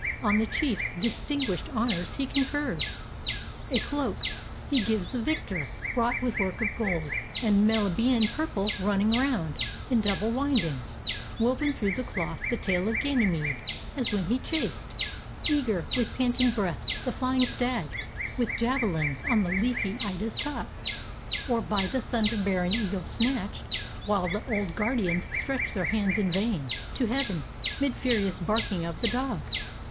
On the chiefs Distinguished honors he confers; a cloak He gives the victor, wrought with work of gold And Melibcean purple running round In double windings. Woven through the cloth The tale of Ganymede, as when he chased, 240 FUNERAL GAMES IN HONOR OF ANCHISES Eager, with panting breath, the flying stag With javelins, on the leafy Ida's top; Or by the thunder bearing eagle snatched, While the old guardians stretch their hands in vain To heaven, 'mid furious barking of the dogs.